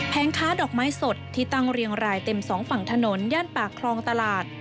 ค้าดอกไม้สดที่ตั้งเรียงรายเต็มสองฝั่งถนนย่านปากคลองตลาด